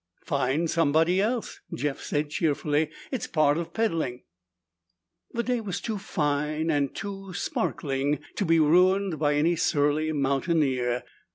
"Find somebody else," Jeff said cheerfully. "It's part of peddling." The day was too fine, and too sparkling, to be ruined by any surly mountaineer.